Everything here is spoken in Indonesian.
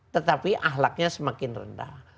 tetapi akhlaknya semakin rendah